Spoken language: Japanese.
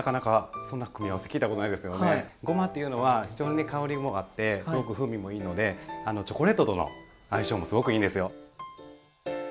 ごまっていうのは非常に香りもあってすごく風味もいいのでチョコレートとの相性もすごくいいんですよ。